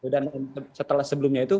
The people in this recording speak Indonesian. dan setelah sebelumnya itu